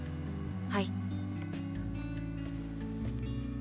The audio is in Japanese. はい。